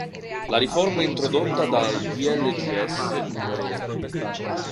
La riforma introdotta dal Dlgs n.